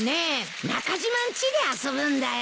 中島んちで遊ぶんだよ。